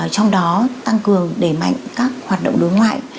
trong đó tăng cường đẩy mạnh các hoạt động đối ngoại